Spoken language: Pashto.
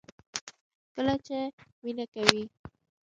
کله چې مینه کوئ